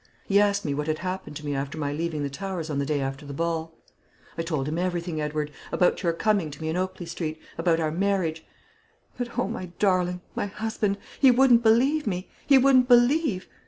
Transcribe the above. "He asked me what had happened to me after my leaving the Towers on the day after the ball. "I told him everything, Edward about your coming to me in Oakley Street; about our marriage. But, oh, my darling, my husband, he wouldn't believe me; he wouldn't believe.